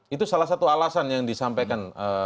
itu salah satu alasan yang disampaikan